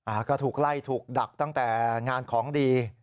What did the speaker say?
ก็ถูกไล่ถูกดักตั้งแต่งานของดี